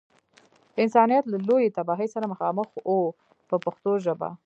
انسانیت له لویې تباهۍ سره مخامخ و په پښتو ژبه.